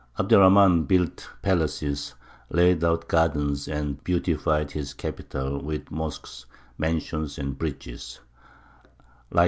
Abd er Rahmān built palaces, laid out gardens, and beautified his capital with mosques, mansions, and bridges.